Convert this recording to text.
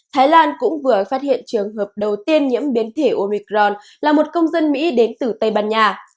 thái lan cũng vừa phát hiện trường hợp đầu tiên nhiễm biến thể oricron là một công dân mỹ đến từ tây ban nha